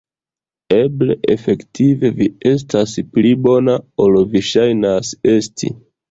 Eble, efektive, vi estas pli bona, ol vi ŝajnas esti.